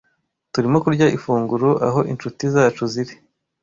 Turimo kurya ifunguro aho inshuti zacu ziri.